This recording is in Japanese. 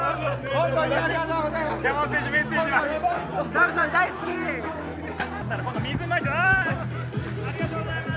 本当に、本当にありがとうございます！